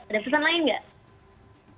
ada pesan lain nggak